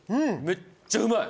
めっちゃうまい！